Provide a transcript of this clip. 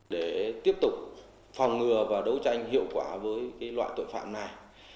để tiếp tục phòng ngừa và đấu tranh hiệu quả với loại tội phạm này